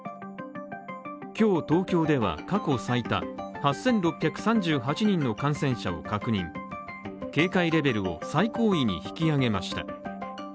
今日東京では過去最多８６３８人の感染者を確認警戒レベルを最高位に引き上げました。